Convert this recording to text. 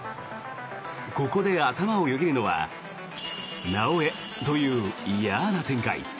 ここで頭をよぎるのは「なおエ」という嫌な展開。